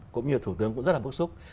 cũng như thủ tướng cũng rất là bức xúc